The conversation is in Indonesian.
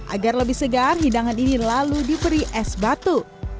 agar lebih segar hidangan ini lalu diberi es batu